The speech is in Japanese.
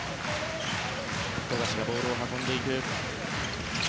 富樫がボールを運んでいく。